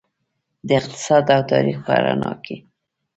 د اقتصاد او تاریخ په رڼا کې.